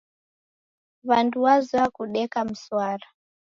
W'andu wazoya kudeka mswara.